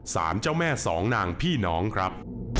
สารเจ้าแม่สองนางพี่น้องครับ